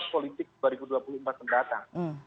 politik dua ribu dua puluh empat yang datang